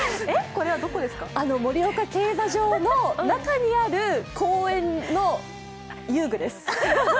盛岡競馬場の中にある、公園の遊具です。